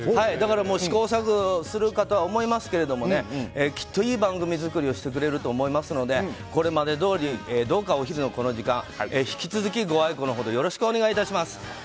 だから試行錯誤するかとは思いますけれどもきっといい番組作りをしてくれると思いますのでこれまでどおりどうかお昼のこの時間引き続きご愛顧のほどよろしくお願い致します。